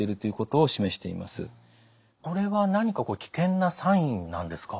これは何か危険なサインなんですか？